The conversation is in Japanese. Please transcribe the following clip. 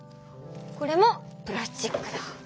これもプラスチックだ。